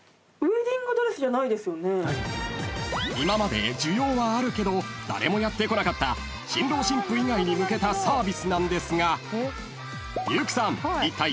［今まで需要はあるけど誰もやってこなかった新郎新婦以外に向けたサービスなんですが優木さんいったい何だと思いますか？］